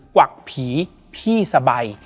วักผีพี่สบาย